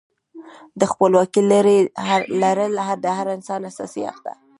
د خپلواکۍ لرل د هر انسان اساسي حق دی.